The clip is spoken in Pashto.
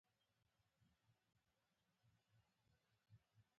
د جمع په شکل کاریږي.